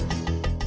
saya sudah selesai